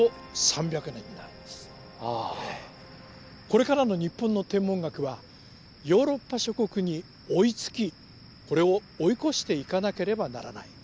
これからの日本の天文学はヨーロッパ諸国に追いつきこれを追い越していかなければならない。